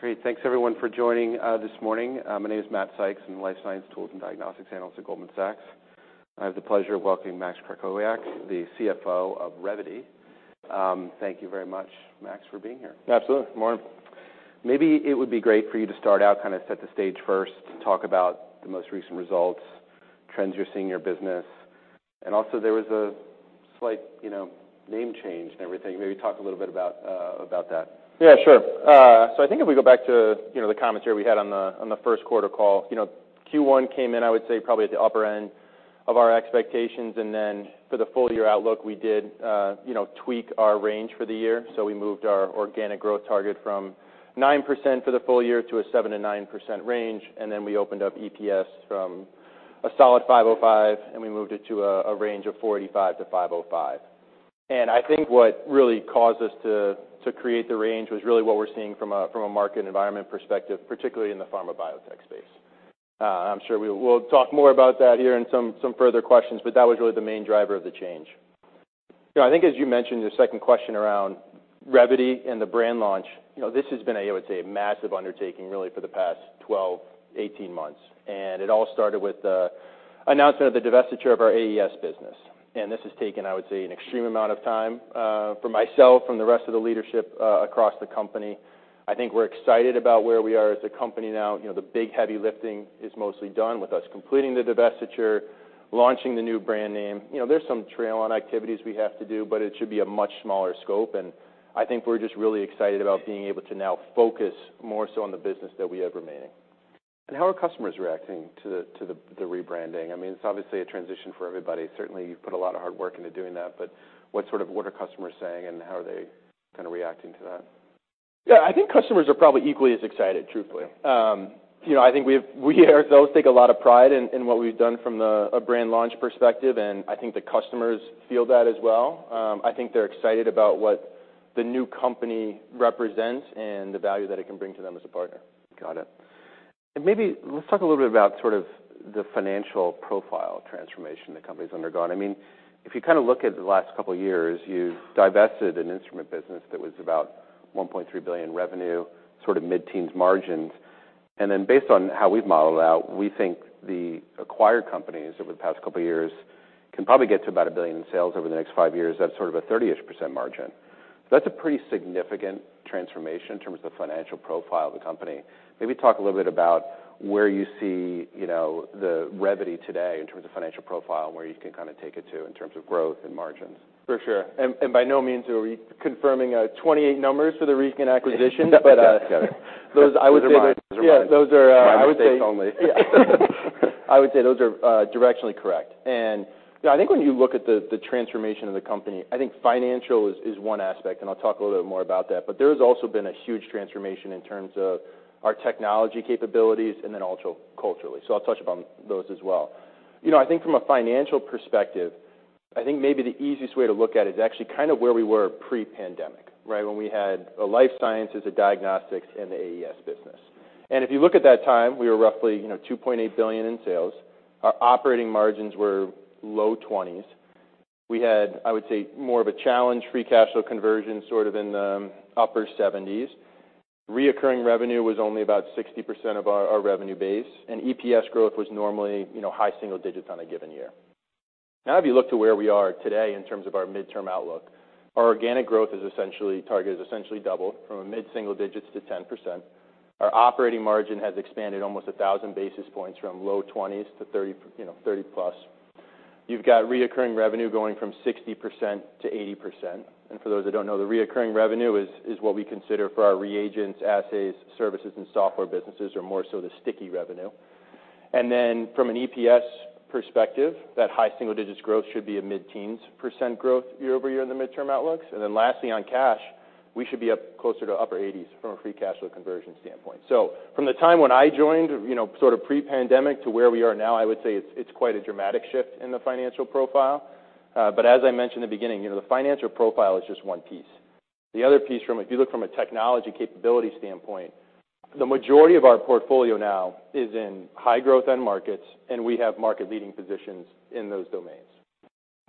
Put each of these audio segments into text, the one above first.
Great. Thanks everyone for joining this morning. My name is Matt Sykes, I'm a life science tools and diagnostics analyst at Goldman Sachs. I have the pleasure of welcoming Max Krakowiak, the CFO of Revvity. Thank you very much, Max, for being here. Absolutely, good morning. Maybe it would be great for you to start out, kind of set the stage first, and talk about the most recent results, trends you're seeing in your business, and also there was a slight, you know, name change and everything. Maybe talk a little bit about about that. Sure. I think if we go back to, you know, the commentary we had on the first quarter call, you know, Q1 came in, I would say, probably at the upper end of our expectations. For the full year outlook, we did, you know, tweak our range for the year. We moved our organic growth target from 9% for the full year to a 7%-9% range. We opened up EPS from a solid $5.05, and we moved it to a range of $4.85-$5.05. I think what really caused us to create the range was really what we're seeing from a market environment perspective, particularly in the pharma biotech space. I'm sure we'll talk more about that here in some further questions, but that was really the main driver of the change. You know, I think as you mentioned, your second question around Revvity and the brand launch, you know, this has been a, I would say, massive undertaking, really, for the past 12, 18 months. It all started with the announcement of the divestiture of our AES business. This has taken, I would say, an extreme amount of time for myself, from the rest of the leadership across the company. I think we're excited about where we are as a company now. You know, the big, heavy lifting is mostly done with us completing the divestiture, launching the new brand name. You know, there's some trail on activities we have to do, but it should be a much smaller scope, and I think we're just really excited about being able to now focus more so on the business that we have remaining. How are customers reacting to the rebranding? I mean, it's obviously a transition for everybody. Certainly, you've put a lot of hard work into doing that, but what are customers saying, and how are they kind of reacting to that? Yeah, I think customers are probably equally as excited, truthfully. You know, I think we here, those take a lot of pride in what we've done from a brand launch perspective, and I think the customers feel that as well. I think they're excited about what the new company represents and the value that it can bring to them as a partner. Got it. Maybe let's talk a little bit about sort of the financial profile transformation the company's undergone. I mean, if you kind of look at the last couple of years, you've divested an instrument business that was about $1.3 billion revenue, sort of mid-teens margins. Based on how we've modeled out, we think the acquired companies over the past couple of years can probably get to about $1 billion in sales over the next five years. That's sort of a 30-ish% margin. That's a pretty significant transformation in terms of the financial profile of the company. Maybe talk a little bit about where you see, you know, Revvity today in terms of financial profile and where you can kind of take it to in terms of growth and margins. For sure. By no means are we confirming 28 numbers for the recent acquisition. Got it. Those, I would say. Those are mine. Those are mine. Yeah, those are. Mine mistakes only. Yeah. I would say those are directionally correct. You know, I think when you look at the transformation of the company, I think financial is one aspect, and I'll talk a little bit more about that. There's also been a huge transformation in terms of our technology capabilities and then also culturally. I'll touch upon those as well. You know, I think from a financial perspective, I think maybe the easiest way to look at it is actually kind of where we were pre-pandemic, right? When we had a life sciences, a diagnostics, and the AES business. If you look at that time, we were roughly, you know, $2.8 billion in sales. Our operating margins were low 20s. We had, I would say, more of a challenge, free cash flow conversion, sort of in the upper 70s. Reoccurring revenue was only about 60% of our revenue base, and EPS growth was normally, you know, high single digits on a given year. If you look to where we are today in terms of our midterm outlook, our organic growth is targeted, essentially doubled from a mid-single digits to 10%. Our operating margin has expanded almost 1,000 basis points, from low twenties to 30, you know, 30+. You've got reoccurring revenue going from 60% to 80%. For those that don't know, the reoccurring revenue is what we consider for our reagents, assays, services, and software businesses, or more so the sticky revenue. From an EPS perspective, that high single digits growth should be a mid-teens % growth year-over-year in the midterm outlooks. Lastly, on cash, we should be up closer to upper 80s% from a free cash flow conversion standpoint. From the time when I joined, you know, sort of pre-pandemic to where we are now, I would say it's quite a dramatic shift in the financial profile. As I mentioned in the beginning, you know, the financial profile is just one piece. The other piece if you look from a technology capability standpoint, the majority of our portfolio now is in high growth end markets, and we have market-leading positions in those domains.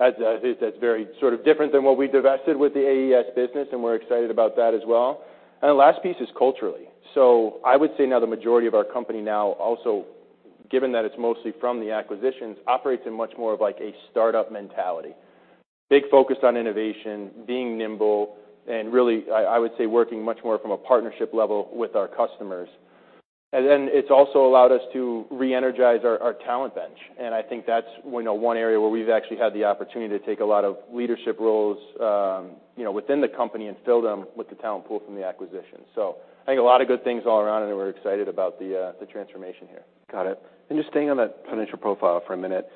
As that's very sort of different than what we divested with the AES business, and we're excited about that as well. The last piece is culturally. I would say now the majority of our company now, also, given that it's mostly from the acquisitions, operates in much more of like a startup mentality. Big focused on innovation, being nimble, and really, I would say, working much more from a partnership level with our customers. It's also allowed us to reenergize our talent bench, and I think that's, you know, one area where we've actually had the opportunity to take a lot of leadership roles, you know, within the company and fill them with the talent pool from the acquisition. I think a lot of good things all around, and we're excited about the transformation here. Got it. Just staying on that financial profile for a minute,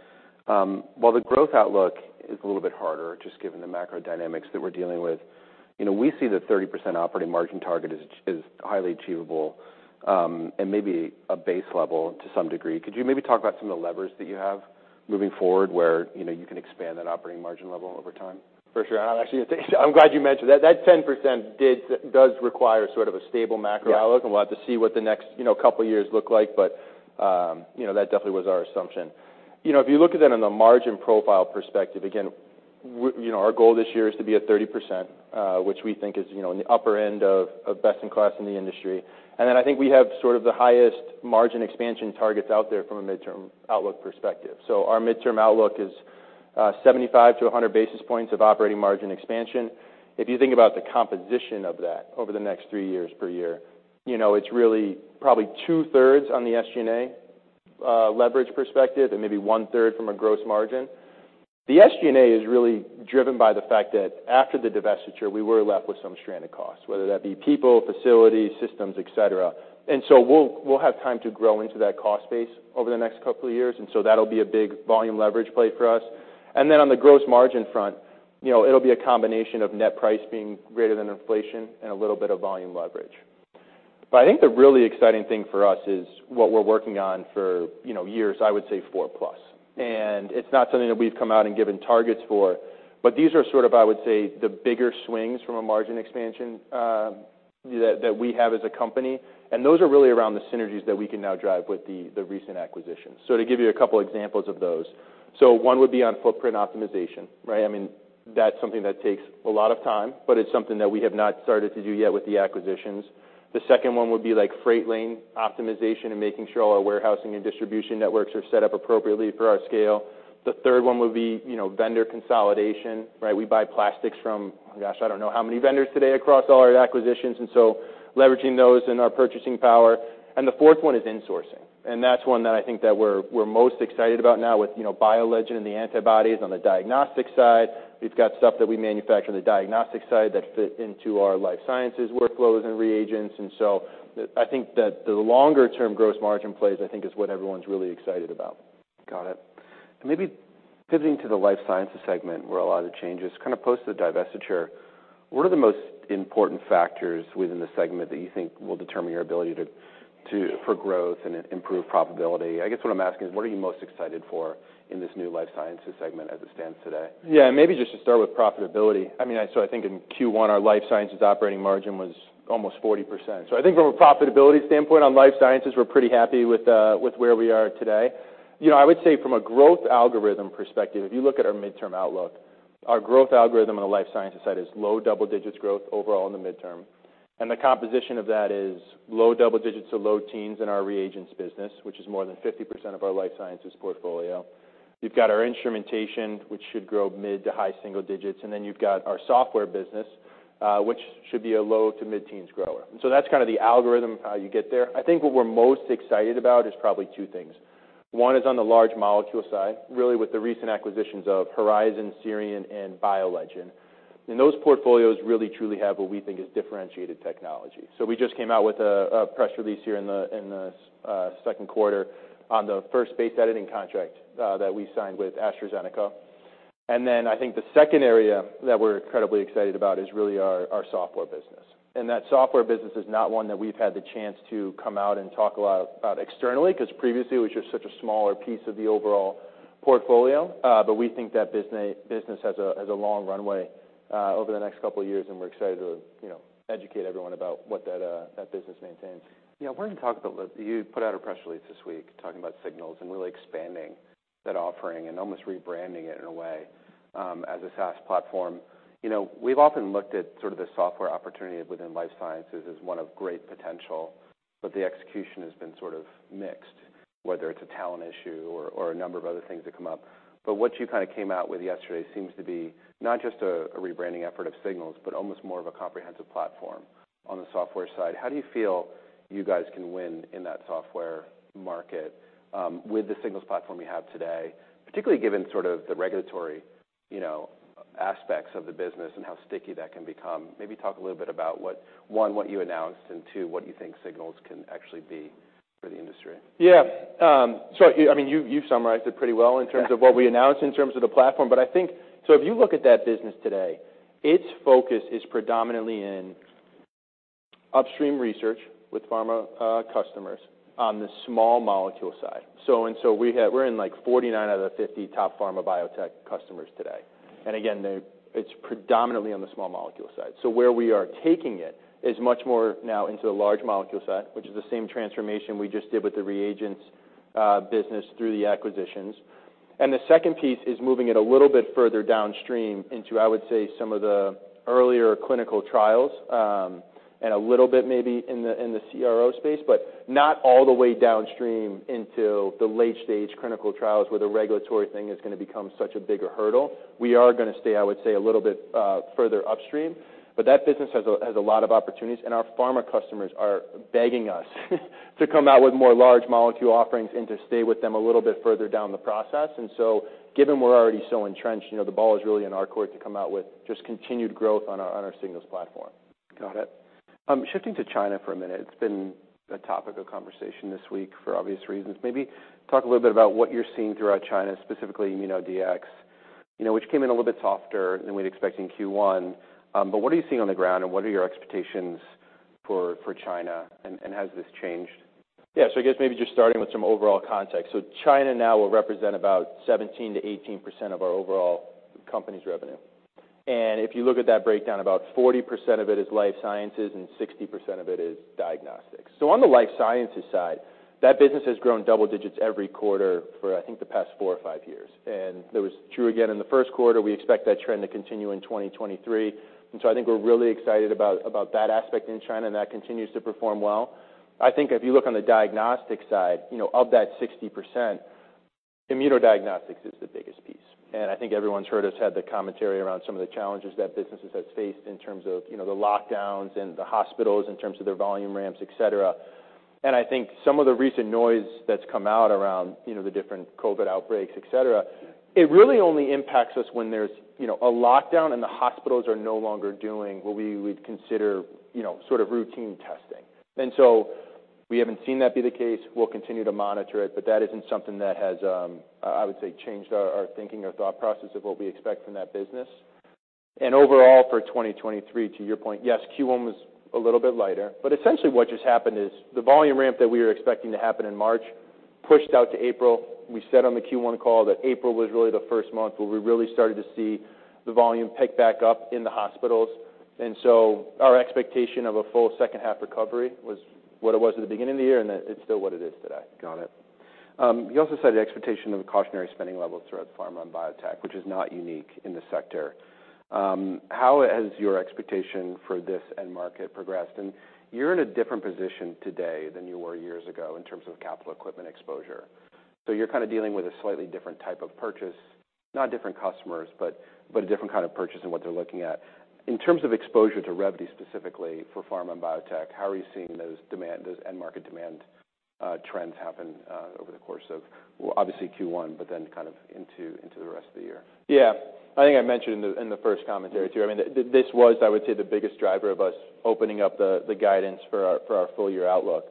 while the growth outlook is a little bit harder, just given the macro dynamics that we're dealing with, you know, we see the 30% operating margin target is highly achievable, and maybe a base level to some degree. Could you maybe talk about some of the levers that you have moving forward, where, you know, you can expand that operating margin level over time? For sure. I'm actually I'm glad you mentioned that. That 10% does require sort of a stable macro outlook. Yeah. We'll have to see what the next, you know, couple of years look like. You know, that definitely was our assumption. You know, if you look at that on the margin profile perspective. Again, you know, our goal this year is to be at 30%, which we think is, you know, in the upper end of best in class in the industry. Then I think we have sort of the highest margin expansion targets out there from a midterm outlook perspective. Our midterm outlook is 75 to 100 basis points of operating margin expansion. If you think about the composition of that over the next 3 years per year, you know, it's really probably two-thirds on the SG&A leverage perspective, and maybe one-third from a gross margin. The SG&A is really driven by the fact that after the divestiture, we were left with some stranded costs, whether that be people, facilities, systems, et cetera. We'll have time to grow into that cost base over the next couple of years, and so that'll be a big volume leverage play for us. On the gross margin front, you know, it'll be a combination of net price being greater than inflation and a little bit of volume leverage. I think the really exciting thing for us is what we're working on for, you know, years, I would say 4+. It's not something that we've come out and given targets for, but these are sort of, I would say, the bigger swings from a margin expansion, that we have as a company, and those are really around the synergies that we can now drive with the recent acquisitions. To give you a couple examples of those: so one would be on footprint optimization, right? I mean, that's something that takes a lot of time, but it's something that we have not started to do yet with the acquisitions. The second one would be, like, freight lane optimization and making sure all our warehousing and distribution networks are set up appropriately for our scale. The third one would be, you know, vendor consolidation, right? We buy plastics from, gosh, I don't know how many vendors today across all our acquisitions. Leveraging those in our purchasing power. The fourth one is insourcing, and that's one that I think that we're most excited about now with, you know, BioLegend and the antibodies on the diagnostic side. We've got stuff that we manufacture on the diagnostic side that fit into our life sciences workflows and reagents. I think that the longer term gross margin plays, I think, is what everyone's really excited about. Got it. Maybe pivoting to the life sciences segment, where a lot of the changes kind of post the divestiture, what are the most important factors within the segment that you think will determine your ability for growth and improve profitability? I guess what I'm asking is, what are you most excited for in this new life sciences segment as it stands today? Yeah, maybe just to start with profitability. I mean, I think in Q1, our life sciences operating margin was almost 40%. I think from a profitability standpoint on life sciences, we're pretty happy with where we are today. You know, I would say from a growth algorithm perspective, if you look at our midterm outlook, our growth algorithm on the life sciences side is low double digits growth overall in the midterm. The composition of that is low double digits to low teens in our reagents business, which is more than 50% of our life sciences portfolio. We've got our instrumentation, which should grow mid to high single digits, and then you've got our software business, which should be a low to mid teens grower. That's kind of the algorithm, how you get there. I think what we're most excited about is probably two things. One is on the large molecule side, really with the recent acquisitions of Horizon, Cisbio, and BioLegend. Those portfolios really, truly have what we think is differentiated technology. We just came out with a press release here in the second quarter on the first Base editing contract that we signed with AstraZeneca. I think the second area that we're incredibly excited about is really our software business. That software business is not one that we've had the chance to come out and talk a lot about externally, 'cause previously, it was just such a smaller piece of the overall portfolio. We think that business has a long runway over the next couple of years, and we're excited to, you know, educate everyone about what that business maintains. Yeah, we're going to talk about the. You put out a press release this week talking about Signals and really expanding that offering and almost rebranding it in a way, as a SaaS platform. You know, we've often looked at sort of the software opportunity within life sciences as one of great potential, but the execution has been sort of mixed, whether it's a talent issue or a number of other things that come up. What you kind of came out with yesterday seems to be not just a rebranding effort of Signals, but almost more of a comprehensive platform on the software side. How do you feel you guys can win in that software market, with the Signals platform you have today, particularly given sort of the regulatory, you know, aspects of the business and how sticky that can become? Maybe talk a little bit about what, one, what you announced, and two, what you think Signals can actually be for the industry. I mean, you've summarized it pretty well. Yeah in terms of what we announced, in terms of the platform. I think, if you look at that business today, its focus is predominantly in upstream research with pharma customers on the small molecule side. We're in, like, 49 out of the 50 top pharma biotech customers today. Again, it's predominantly on the small molecule side. Where we are taking it is much more now into the large molecule side, which is the same transformation we just did with the reagents business through the acquisitions. The second piece is moving it a little bit further downstream into, I would say, some of the earlier clinical trials, and a little bit maybe in the, in the CRO space, but not all the way downstream into the late-stage clinical trials, where the regulatory thing is gonna become such a bigger hurdle. We are gonna stay, I would say, a little bit further upstream. That business has a lot of opportunities, and our pharma customers are begging us to come out with more large molecule offerings and to stay with them a little bit further down the process. Given we're already so entrenched, you know, the ball is really in our court to come out with just continued growth on our Signals platform. Got it. Shifting to China for a minute, it's been a topic of conversation this week for obvious reasons. Maybe talk a little bit about what you're seeing throughout China, specifically Immunodiagnostics, you know, which came in a little bit softer than we'd expect in Q1. What are you seeing on the ground, and what are your expectations for China, and has this changed? Yeah, I guess maybe just starting with some overall context. China now will represent about 17%-18% of our overall company's revenue. If you look at that breakdown, about 40% of it is life sciences and 60% of it is diagnostics. On the life sciences side, that business has grown double digits every quarter for, I think, the past four or five years. That was true again in the first quarter. We expect that trend to continue in 2023. I think we're really excited about that aspect in China, and that continues to perform well. I think if you look on the diagnostic side, you know, of that 60%, immunodiagnostics is the biggest piece. I think everyone's heard us had the commentary around some of the challenges that businesses have faced in terms of, you know, the lockdowns and the hospitals, in terms of their volume ramps, et cetera. I think some of the recent noise that's come out around, you know, the different COVID outbreaks, et cetera, it really only impacts us when there's, you know, a lockdown and the hospitals are no longer doing what we would consider, you know, sort of routine testing. We haven't seen that be the case. We'll continue to monitor it, but that isn't something that has, I would say, changed our thinking or thought process of what we expect from that business. Overall, for 2023, to your point, yes, Q1 was a little bit lighter, but essentially what just happened is the volume ramp that we were expecting to happen in March pushed out to April. We said on the Q1 call that April was really the first month where we really started to see the volume pick back up in the hospitals. Our expectation of a full second half recovery was what it was at the beginning of the year, and it's still what it is today. Got it. You also said the expectation of a cautionary spending level throughout pharma and biotech, which is not unique in the sector. How has your expectation for this end market progressed? You're in a different position today than you were years ago in terms of capital equipment exposure. You're kind of dealing with a slightly different type of purchase, not different customers, but a different kind of purchase and what they're looking at. In terms of exposure to revenue, specifically for pharma and biotech, how are you seeing those end market demand trends happen over the course of, obviously, Q1, but then kind of into the rest of the year? I think I mentioned in the first commentary, too. I mean, this was, I would say, the biggest driver of us opening up the guidance for our full year outlook.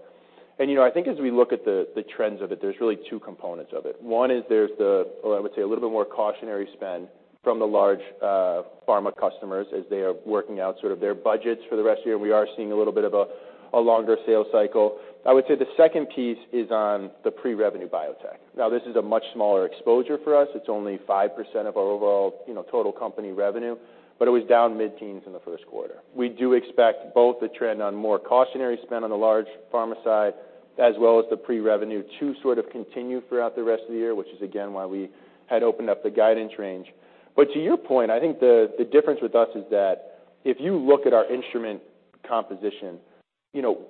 You know, I think as we look at the trends of it, there's really two components of it. One is there's the, well, I would say, a little bit more cautionary spend from the large pharma customers as they are working out sort of their budgets for the rest of the year. We are seeing a little bit of a longer sales cycle. I would say the second piece is on the pre-revenue biotech. Now, this is a much smaller exposure for us. It's only 5% of our overall, you know, total company revenue, but it was down mid-teens in the first quarter. We do expect both the trend on more cautionary spend on the large pharma side, as well as the pre-revenue, to sort of continue throughout the rest of the year, which is again, why we had opened up the guidance range. To your point, I think the difference with us is that if you look at our instrument composition, you know,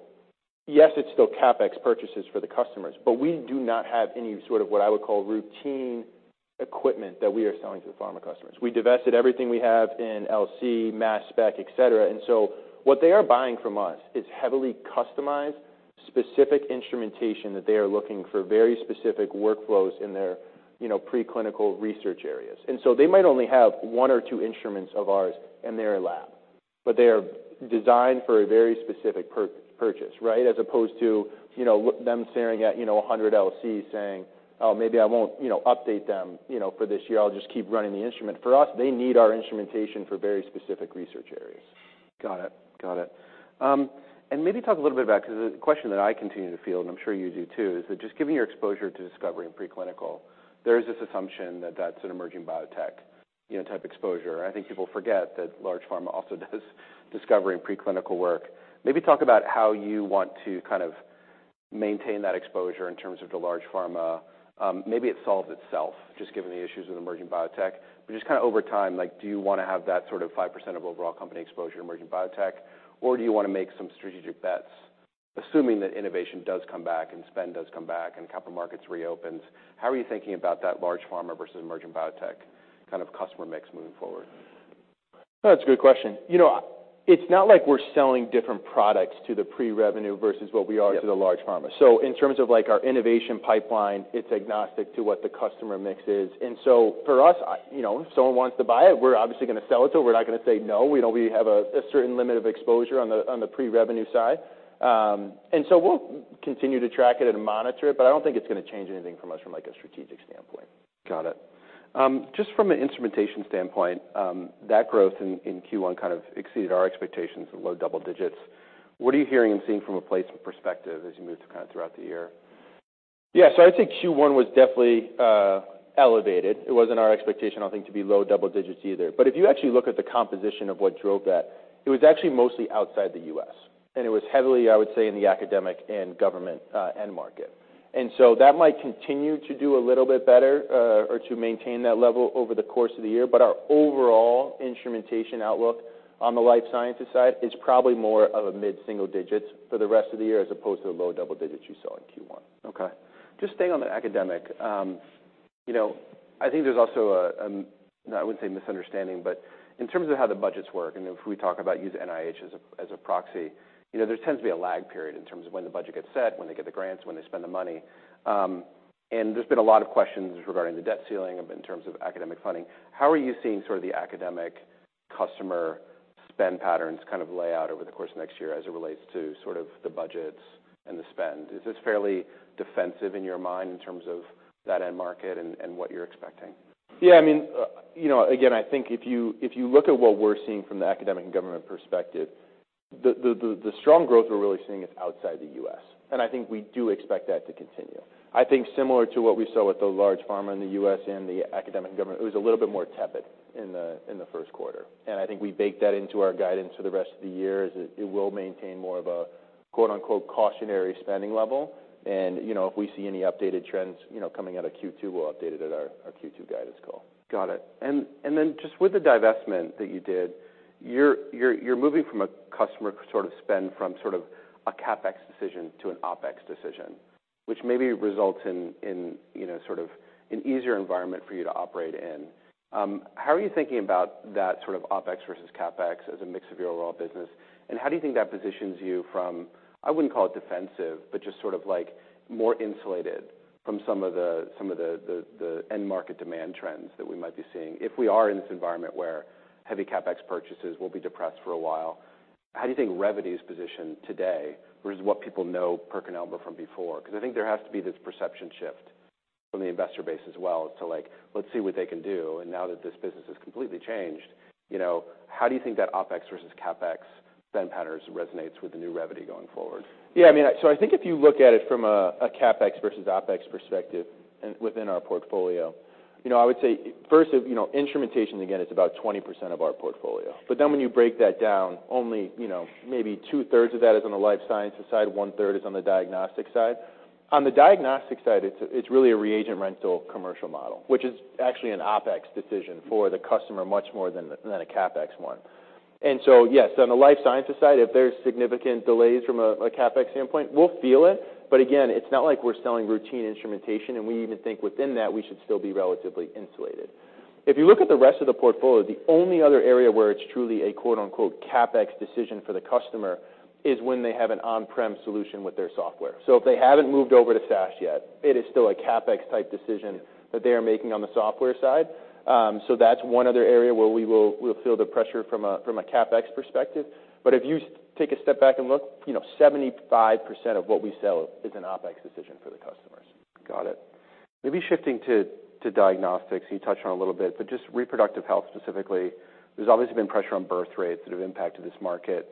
yes, it's still CapEx purchases for the customers, but we do not have any sort of what I would call routine equipment that we are selling to the pharma customers. We divested everything we have in LC, mass spec, et cetera. What they are buying from us is heavily customized, specific instrumentation, that they are looking for very specific workflows in their, you know, preclinical research areas. They might only have 1 or 2 instruments of ours in their lab, but they are designed for a very specific purchase, right? As opposed to, you know, them staring at, you know, 100 LCs saying, "Oh, maybe I won't, you know, update them, you know, for this year. I'll just keep running the instrument." For us, they need our instrumentation for very specific research areas. Got it. Got it. Maybe talk a little bit about, because the question that I continue to field, and I'm sure you do too, is that just given your exposure to discovery and preclinical, there is this assumption that that's an emerging biotech, you know, type exposure. I think people forget that large pharma also does discovery and preclinical work. Maybe talk about how you want to kind of maintain that exposure in terms of the large pharma. Maybe it solves itself, just given the issues with emerging biotech. Just kind of over time, like, do you want to have that sort of 5% of overall company exposure to emerging biotech, or do you want to make some strategic bets, assuming that innovation does come back, and spend does come back, and capital markets reopens? How are you thinking about that large pharma versus emerging biotech kind of customer mix moving forward? That's a good question. You know, it's not like we're selling different products to the pre-revenue versus what we are- Yeah to the large pharma. In terms of, like, our innovation pipeline, it's agnostic to what the customer mix is. For us, you know, if someone wants to buy it, we're obviously going to sell it, so we're not going to say, "No." We know we have a certain limit of exposure on the pre-revenue side. We'll continue to track it and monitor it, but I don't think it's going to change anything from us from, like, a strategic standpoint. Got it. Just from an instrumentation standpoint, that growth in Q1 kind of exceeded our expectations in low double digits. What are you hearing and seeing from a placement perspective as you move to kind of throughout the year? I'd say Q1 was definitely elevated. It wasn't our expectation, I think, to be low double-digits either. If you actually look at the composition of what drove that, it was actually mostly outside the U.S., and it was heavily, I would say, in the academic and government end market. That might continue to do a little bit better, or to maintain that level over the course of the year. Our overall instrumentation outlook on the life sciences side is probably more of a mid-single-digits for the rest of the year, as opposed to the low double-digits you saw in Q1. Okay. Just staying on the academic, you know, I think there's also a, I wouldn't say misunderstanding, but in terms of how the budgets work, and if we talk about use NIH as a, as a proxy, you know, there tends to be a lag period in terms of when the budget gets set, when they get the grants, when they spend the money. There's been a lot of questions regarding the debt ceiling and in terms of academic funding. How are you seeing sort of the academic customer spend patterns kind of lay out over the course of next year as it relates to sort of the budgets and the spend? Is this fairly defensive in your mind in terms of that end market and what you're expecting? Yeah, I mean, you know, again, I think if you, if you look at what we're seeing from the academic and government perspective, the strong growth we're really seeing is outside the U.S., and I think we do expect that to continue. I think similar to what we saw with the large pharma in the U.S. and the academic government, it was a little bit more tepid in the first quarter, and I think we baked that into our guidance for the rest of the year, as it will maintain more of a, quote, unquote, cautionary spending level. You know, if we see any updated trends, you know, coming out of Q2, we'll update it at our Q2 guidance call. Got it. Then just with the divestment that you did, you're moving from a customer sort of spend from sort of a CapEx decision to an OpEx decision, which maybe results in, you know, sort of an easier environment for you to operate in. How are you thinking about that sort of OpEx versus CapEx as a mix of your overall business? How do you think that positions you from, I wouldn't call it defensive, but just sort of like, more insulated from some of the end market demand trends that we might be seeing? If we are in this environment where heavy CapEx purchases will be depressed for a while, how do you think Revvity is positioned today versus what people know PerkinElmer from before? I think there has to be this perception shift from the investor base as well to like, "Let's see what they can do." Now that this business has completely changed, you know, how do you think that OpEx versus CapEx spend patterns resonates with the new Revvity going forward? Yeah, I mean, I think if you look at it from a CapEx versus OpEx perspective and within our portfolio, you know, I would say, you know, instrumentation, again, is about 20% of our portfolio. When you break that down, only, you know, maybe 2/3 of that is on the life sciences side, 1/3 is on the diagnostic side. On the diagnostic side, it's really a reagent rental commercial model, which is actually an OpEx decision for the customer, much more than a CapEx one. Yes, on the life sciences side, if there's significant delays from a CapEx standpoint, we'll feel it. Again, it's not like we're selling routine instrumentation, and we even think within that, we should still be relatively insulated. If you look at the rest of the portfolio, the only other area where it's truly a, quote, unquote, CapEx decision for the customer is when they have an on-prem solution with their software. If they haven't moved over to SaaS yet, it is still a CapEx-type decision that they are making on the software side. That's one other area where we'll feel the pressure from a, from a CapEx perspective. If you take a step back and look, you know, 75% of what we sell is an OpEx decision for the customers. Got it. Maybe shifting to diagnostics, you touched on a little bit, but just reproductive health specifically. There's obviously been pressure on birth rates that have impacted this market.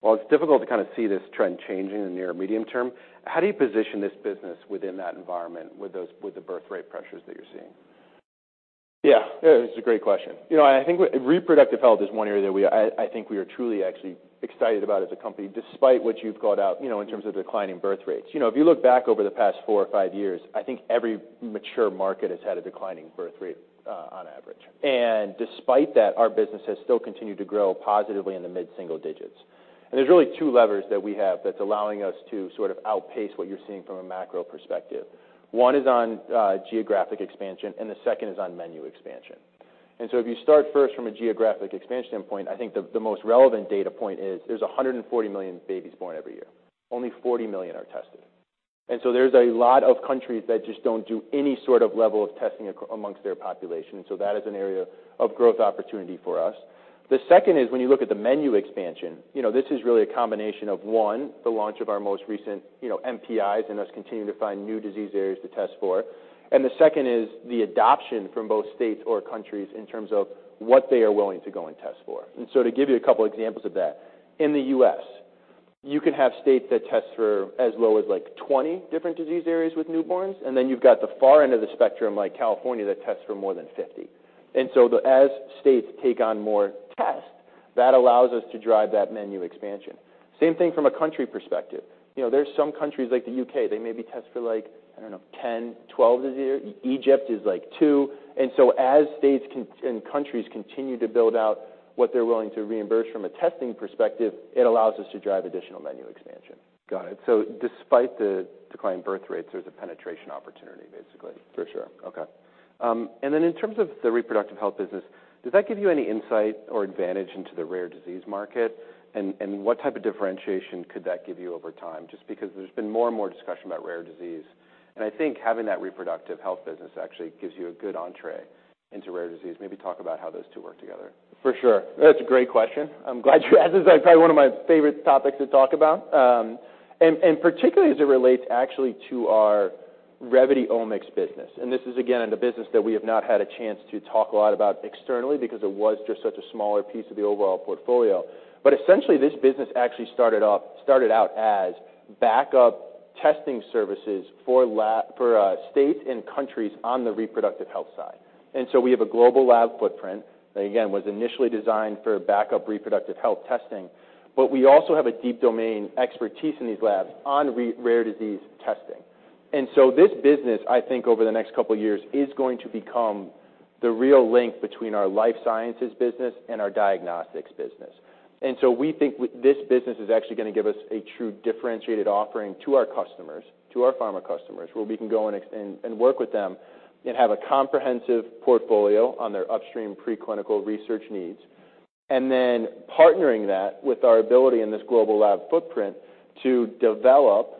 While it's difficult to kind of see this trend changing in the near medium term, how do you position this business within that environment, with the birth rate pressures that you're seeing? Yeah, it's a great question. You know, I think reproductive health is one area that we, I think we are truly actually excited about as a company, despite what you've called out, you know, in terms of declining birth rates. You know, if you look back over the past four or five years, I think every mature market has had a declining birth rate on average. Despite that, our business has still continued to grow positively in the mid-single digits. There's really two levers that we have that's allowing us to sort of outpace what you're seeing from a macro perspective. One is on geographic expansion, and the second is on menu expansion. If you start first from a geographic expansion standpoint, I think the most relevant data point is there's 140 million babies born every year. Only 40 million are tested. There's a lot of countries that just don't do any sort of level of testing amongst their population, so that is an area of growth opportunity for us. The second is when you look at the menu expansion, you know, this is really a combination of, one, the launch of our most recent, you know, NPIs, and us continuing to find new disease areas to test for. The second is the adoption from both states or countries in terms of what they are willing to go and test for. To give you a couple examples of that, in the U.S., you can have states that test for as low as, like, 20 different disease areas with newborns, and then you've got the far end of the spectrum, like California, that tests for more than 50. As states take on more tests, that allows us to drive that menu expansion. Same thing from a country perspective. You know, there's some countries like the UK, they maybe test for, like, I don't know, 10, 12 disease areas. Egypt is, like, 2. As states and countries continue to build out what they're willing to reimburse from a testing perspective, it allows us to drive additional menu expansion. Got it. Despite the declined birth rates, there's a penetration opportunity, basically? For sure. Okay. In terms of the reproductive health business, does that give you any insight or advantage into the rare disease market? What type of differentiation could that give you over time? Just because there's been more and more discussion about rare disease, and I think having that reproductive health business actually gives you a good entree into rare disease. Maybe talk about how those two work together. For sure. That's a great question. I'm glad you asked it. It's probably one of my favorite topics to talk about, and particularly as it relates actually to our Revvity Omics business. This is, again, the business that we have not had a chance to talk a lot about externally because it was just such a smaller piece of the overall portfolio. Essentially, this business actually started out as backup testing services for lab, for states and countries on the reproductive health side. We have a global lab footprint that, again, was initially designed for backup reproductive health testing, but we also have a deep domain expertise in these labs on rare disease testing. This business, I think, over the next couple of years, is going to become the real link between our life sciences business and our diagnostics business. We think this business is actually gonna give us a true differentiated offering to our customers, to our pharma customers, where we can go and work with them and have a comprehensive portfolio on their upstream preclinical research needs. Partnering that with our ability in this global lab footprint to develop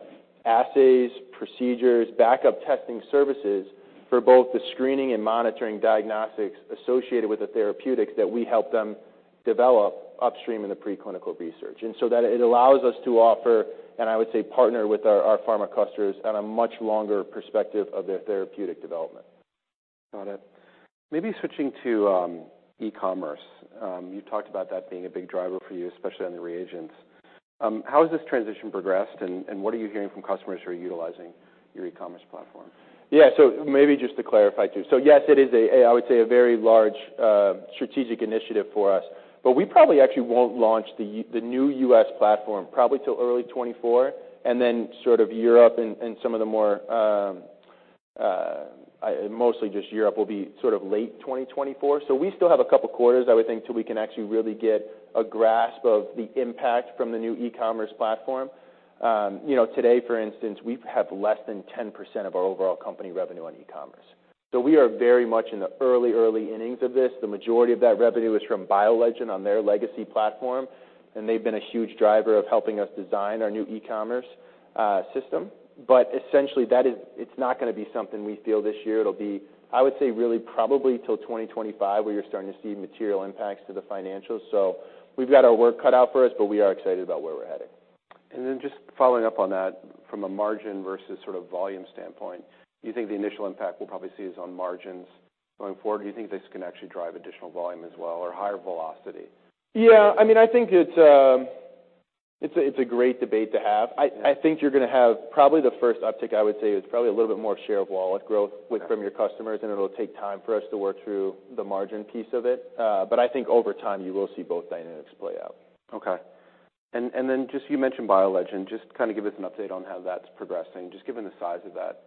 assays, procedures, backup testing services for both the screening and monitoring diagnostics associated with the therapeutics that we help them develop upstream in the preclinical research. That it allows us to offer, and I would say, partner with our pharma customers on a much longer perspective of their therapeutic development. Got it. Maybe switching to e-commerce. You talked about that being a big driver for you, especially on the reagents. How has this transition progressed, and what are you hearing from customers who are utilizing your e-commerce platform? Yeah, maybe just to clarify, too. Yes, it is a, I would say, a very large, strategic initiative for us, but we probably actually won't launch the new U.S. platform probably till early 2024, and then sort of Europe and some of the more, mostly just Europe will be sort of late 2024. We still have a couple quarters, I would think, until we can actually really get a grasp of the impact from the new e-commerce platform. You know, today, for instance, we have less than 10% of our overall company revenue on e-commerce, so we are very much in the early innings of this. The majority of that revenue is from BioLegend on their legacy platform, and they've been a huge driver of helping us design our new e-commerce system. Essentially, that is -- it's not gonna be something we feel this year. It'll be, I would say, really probably till 2025, where you're starting to see material impacts to the financials. We've got our work cut out for us, but we are excited about where we're heading. Just following up on that, from a margin versus sort of volume standpoint, do you think the initial impact we'll probably see is on margins going forward? Do you think this can actually drive additional volume as well, or higher velocity? Yeah, I mean, I think it's a great debate to have. I think you're gonna have probably the first uptick, I would say, is probably a little bit more share of wallet growth From your customers. It'll take time for us to work through the margin piece of it. I think over time, you will see both dynamics play out. Okay. Then just you mentioned BioLegend. Just kind of give us an update on how that's progressing. Just given the size of that,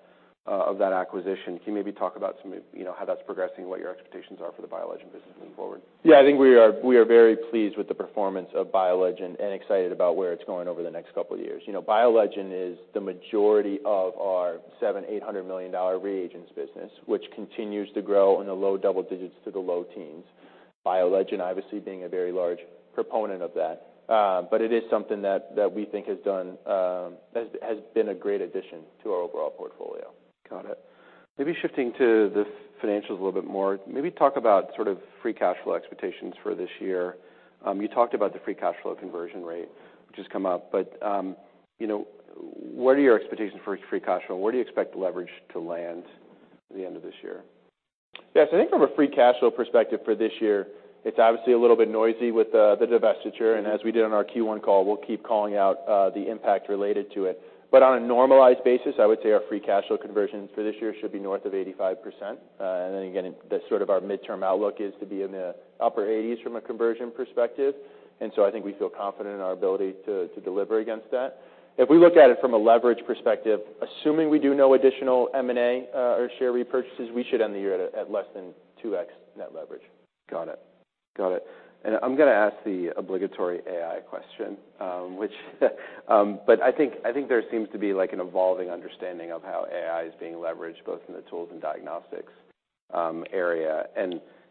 of that acquisition, can you maybe talk about some of, you know, how that's progressing and what your expectations are for the BioLegend business moving forward? I think we are very pleased with the performance of BioLegend and excited about where it's going over the next couple of years. You know, BioLegend is the majority of our $700-$800 million reagents business, which continues to grow in the low double digits to the low teens. BioLegend obviously being a very large proponent of that. It is something that we think has been a great addition to our overall portfolio. Got it. Maybe shifting to the financials a little bit more, maybe talk about sort of free cash flow expectations for this year. You talked about the free cash flow conversion rate, which has come up, but, you know, what are your expectations for free cash flow? Where do you expect the leverage to land at the end of this year? I think from a free cash flow perspective for this year, it's obviously a little bit noisy with the divestiture, and as we did on our Q1 call, we'll keep calling out the impact related to it. On a normalized basis, I would say our free cash flow conversions for this year should be north of 85%. Again, that's sort of our midterm outlook is to be in the upper 80s from a conversion perspective, I think we feel confident in our ability to deliver against that. We look at it from a leverage perspective, assuming we do no additional M&A or share repurchases, we should end the year at less than 2x net leverage. Got it. Got it. I'm gonna ask the obligatory AI question, which I think there seems to be like an evolving understanding of how AI is being leveraged, both in the tools and diagnostics area.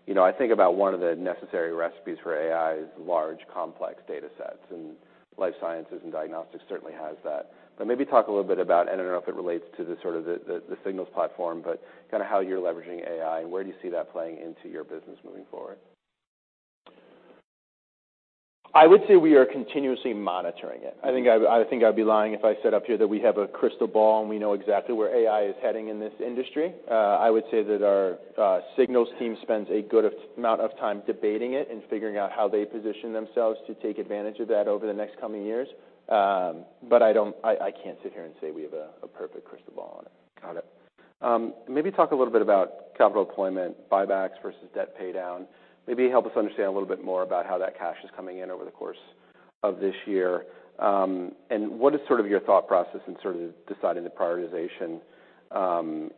You know, I think about one of the necessary recipes for AI is large, complex datasets, and life sciences and diagnostics certainly has that. Maybe talk a little bit about, and I don't know if it relates to the sort of the Signals platform, but kind of how you're leveraging AI and where do you see that playing into your business moving forward? I would say we are continuously monitoring it. I think I'd be lying if I said up here that we have a crystal ball and we know exactly where AI is heading in this industry. I would say that our Signals team spends a good amount of time debating it and figuring out how they position themselves to take advantage of that over the next coming years. I can't sit here and say we have a perfect crystal ball on it. Got it. Maybe talk a little bit about capital deployment, buybacks versus debt paydown. Maybe help us understand a little bit more about how that cash is coming in over the course of this year. What is sort of your thought process in sort of deciding the prioritization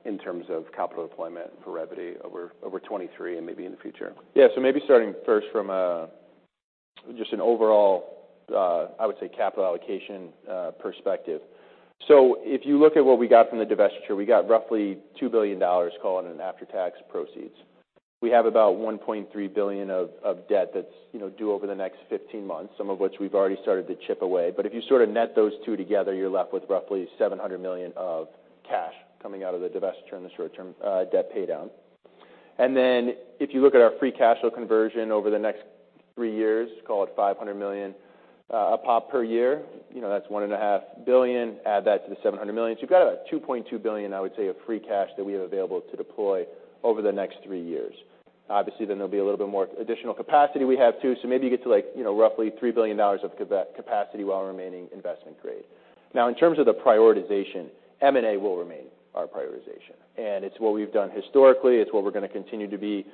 in terms of capital deployment for Revvity over 23 and maybe in the future? Yeah, maybe starting first from just an overall, I would say, capital allocation perspective. If you look at what we got from the divestiture, we got roughly $2 billion, call it an after-tax proceeds. We have about $1.3 billion of debt that's, you know, due over the next 15 months, some of which we've already started to chip away. If you sort of net those two together, you're left with roughly $700 million of cash coming out of the divestiture and the short-term debt paydown. If you look at our free cash flow conversion over the next 3 years, call it $500 million a pop per year, you know, that's $1.5 billion. Add that to the $700 million. You've got about $2.2 billion, I would say, of free cash that we have available to deploy over the next 3 years. There'll be a little bit more additional capacity we have, too. Maybe you get to roughly $3 billion of capacity while remaining investment grade. In terms of the prioritization, M&A will remain our prioritization, and it's what we've done historically. It's what we're going to continue to be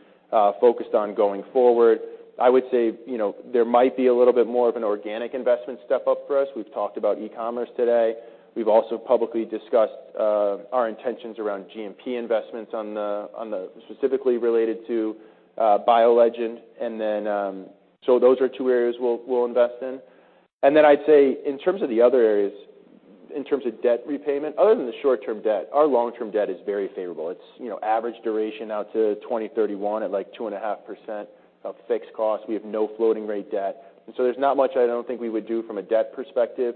focused on going forward. I would say, you know, there might be a little bit more of an organic investment step-up for us. We've talked about e-commerce today. We've also publicly discussed our intentions around GMP investments on the specifically related to BioLegend. Those are two areas we'll invest in. I'd say in terms of the other areas, in terms of debt repayment, other than the short-term debt, our long-term debt is very favorable. It's, you know, average duration out to 2031 at, like, 2.5% of fixed costs. There's not much I don't think we would do from a debt perspective.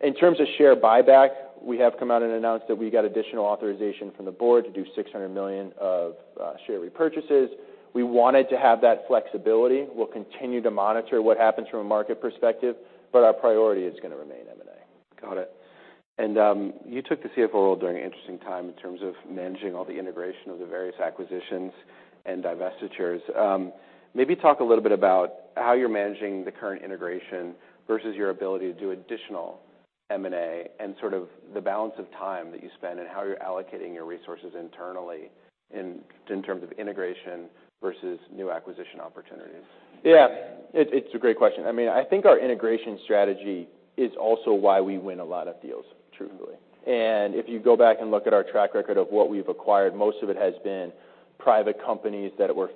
In terms of share buyback, we have come out and announced that we got additional authorization from the board to do $600 million of share repurchases. We wanted to have that flexibility. We'll continue to monitor what happens from a market perspective, our priority is going to remain M&A. Got it. You took the CFO role during an interesting time in terms of managing all the integration of the various acquisitions and divestitures. Maybe talk a little bit about how you're managing the current integration versus your ability to do additional M&A and sort of the balance of time that you spend, and how you're allocating your resources internally in terms of integration versus new acquisition opportunities. Yeah, it's a great question. I mean, I think our integration strategy is also why we win a lot of deals, truthfully. If you go back and look at our track record of what we've acquired, most of it has been private companies that were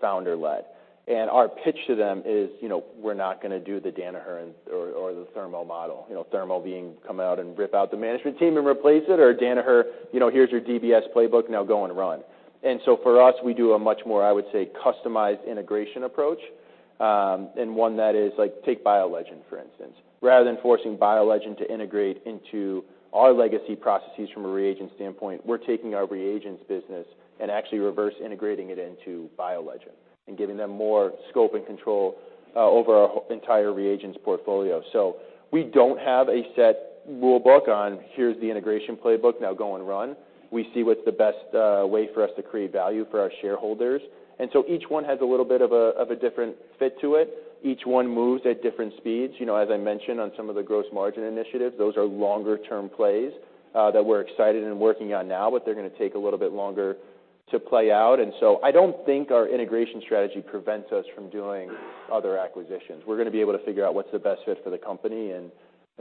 founder-led. Our pitch to them is, you know, we're not gonna do the Danaher or the Thermo model. You know, Thermo being, come out and rip out the management team and replace it, or Danaher, you know, here's your DBS playbook, now go and run. For us, we do a much more, I would say, customized integration approach, and one that is like, take BioLegend, for instance. Rather than forcing BioLegend to integrate into our legacy processes from a reagent standpoint, we're taking our reagents business and actually reverse integrating it into BioLegend and giving them more scope and control over our whole entire reagents portfolio. We don't have a set rulebook on, "Here's the integration playbook. Now go and run." We see what's the best way for us to create value for our shareholders. Each one has a little bit of a different fit to it. Each one moves at different speeds. You know, as I mentioned on some of the gross margin initiatives, those are longer term plays that we're excited and working on now, but they're gonna take a little bit longer to play out. I don't think our integration strategy prevents us from doing other acquisitions. We're gonna be able to figure out what's the best fit for the company and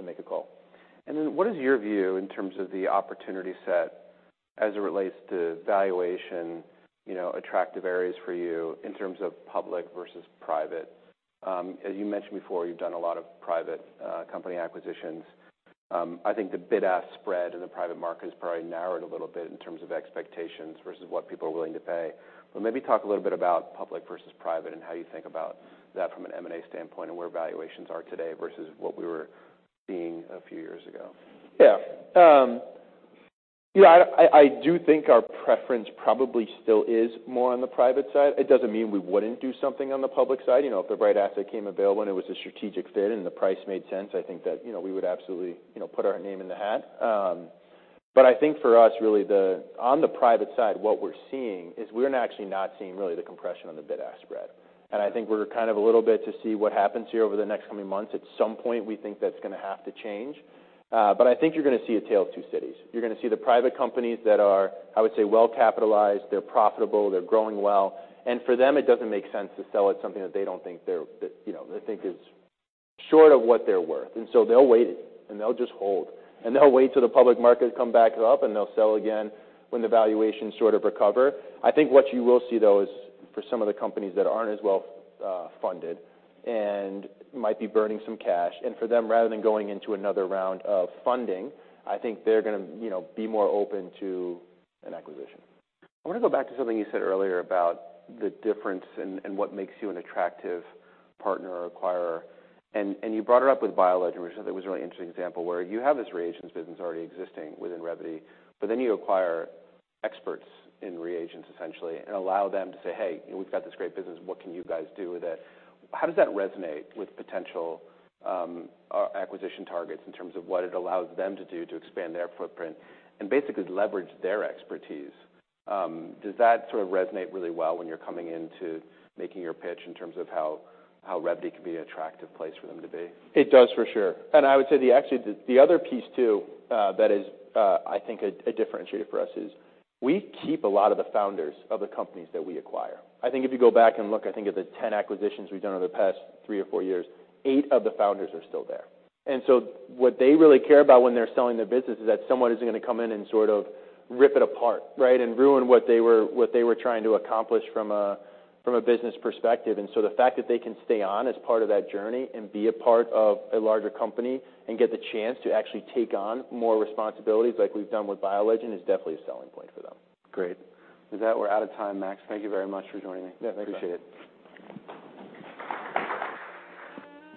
make a call. What is your view in terms of the opportunity set as it relates to valuation, you know, attractive areas for you in terms of public versus private? As you mentioned before, you've done a lot of private company acquisitions. I think the bid-ask spread in the private market has probably narrowed a little bit in terms of expectations versus what people are willing to pay. Maybe talk a little bit about public versus private, and how you think about that from an M&A standpoint, and where valuations are today versus what we were seeing a few years ago. Yeah. I do think our preference probably still is more on the private side. It doesn't mean we wouldn't do something on the public side. You know, if the right asset came available, and it was a strategic fit and the price made sense, I think that, you know, we would absolutely, you know, put our name in the hat. I think for us, really, the on the private side, what we're seeing is we're actually not seeing really the compression on the bid-ask spread. I think we're kind of a little bit to see what happens here over the next coming months. At some point, we think that's gonna have to change. I think you're gonna see a tale of two cities. You're gonna see the private companies that are, I would say, well-capitalized, they're profitable, they're growing well, and for them, it doesn't make sense to sell it something that they don't think they're, that, you know, they think is short of what they're worth. They'll wait, and they'll just hold, and they'll wait till the public market come back up, and they'll sell again when the valuations sort of recover. I think what you will see, though, is for some of the companies that aren't as well funded and might be burning some cash, and for them, rather than going into another round of funding, I think they're gonna, you know, be more open to an acquisition. I want to go back to something you said earlier about the difference and what makes you an attractive partner or acquirer. You brought it up with BioLegend, which I think was a really interesting example, where you have this reagents business already existing within Revvity, but then you acquire experts in reagents, essentially, and allow them to say, "Hey, we've got this great business. What can you guys do with it?" How does that resonate with potential acquisition targets in terms of what it allows them to do to expand their footprint and basically leverage their expertise? Does that sort of resonate really well when you're coming into making your pitch in terms of how Revvity can be an attractive place for them to be? It does, for sure. I would say actually, the other piece, too, that is, I think a differentiator for us, is we keep a lot of the founders of the companies that we acquire. I think if you go back and look at the 10 acquisitions we've done over the past 3 or 4 years, 8 of the founders are still there. What they really care about when they're selling their business is that someone is gonna come in and sort of rip it apart, right? Ruin what they were trying to accomplish from a business perspective. The fact that they can stay on as part of that journey and be a part of a larger company and get the chance to actually take on more responsibilities, like we've done with BioLegend, is definitely a selling point for them. Great. With that, we're out of time, Max. Thank you very much for joining me. Yeah, thank you. Appreciate it.